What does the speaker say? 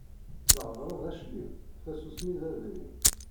Lhedṛa d aclim, tasusmi d adrim.